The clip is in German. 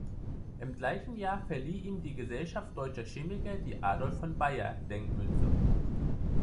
Im gleichen Jahr verlieh ihm die Gesellschaft Deutscher Chemiker die Adolf-von-Baeyer-Denkmünze.